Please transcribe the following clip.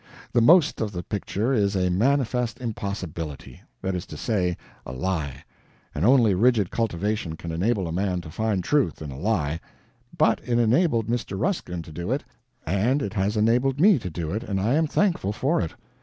The most of the picture is a manifest impossibility that is to say, a lie; and only rigid cultivation can enable a man to find truth in a lie. But it enabled Mr. Ruskin to do it, and it has enabled me to do it, and I am thankful for it.